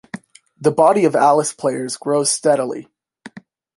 The body of Alice players grows steadily.